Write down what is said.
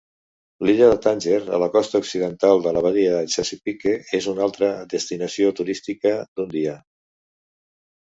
L'illa de Tànger, a la costa occidental de la badia de Chesapeake, és una altra destinació turística d'un dia.